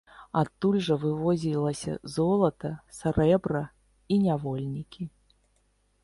Адтуль жа вывозілася золата, срэбра і нявольнікі.